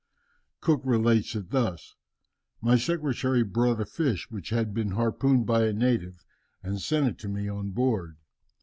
Cook relates it thus: "My secretary bought a fish which had been harpooned by a native, and sent it to me on board.